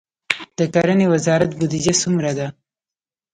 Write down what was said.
د کرنې وزارت بودیجه څومره ده؟